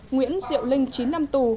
nguyễn diệu linh chín năm tù